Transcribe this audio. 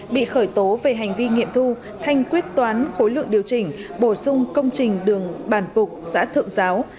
bị khởi tố về hành vi nghiệm thu thanh quyết toán khối lượng điều chỉnh bổ sung công trình đường bản phục xã thượng giáo